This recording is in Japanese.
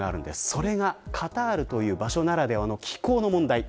それがカタールという場所ならではの気候です。